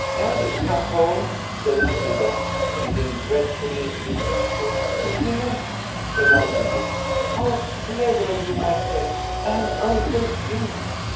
"Daddy's come home," said Elfrida, feeling dreadfully deceitful. "Yes," said Aunt Edith. "How clever of you, my pet! And Uncle Jim.